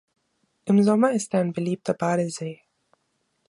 Im Sommer ist er ein beliebter Badesee.